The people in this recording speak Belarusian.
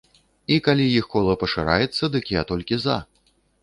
І калі іх кола пашыраецца, дык я толькі за.